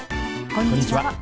こんにちは。